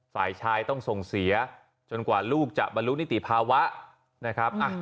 ฝ่ายชายต้องส่งเสียจนกว่าลูกจะบรรลุนิติภาวะนะครับ